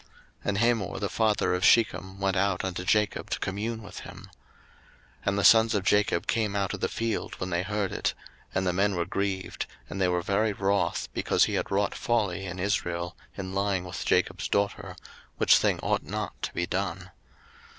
01:034:006 And Hamor the father of Shechem went out unto Jacob to commune with him. 01:034:007 And the sons of Jacob came out of the field when they heard it: and the men were grieved, and they were very wroth, because he had wrought folly in Israel in lying with Jacob's daughter: which thing ought not to be done.